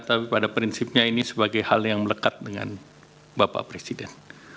tapi pada prinsipnya ini sebagai hal yang melekat dengan bapak presiden